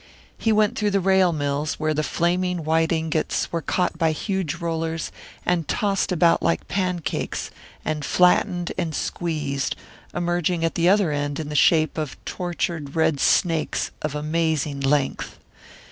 He went through the rail mills, where the flaming white ingots were caught by huge rollers, and tossed about like pancakes, and flattened and squeezed, emerging at the other end in the shape of tortured red snakes of amazing length.